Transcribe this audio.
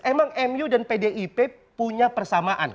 emang mu dan pdip punya persamaan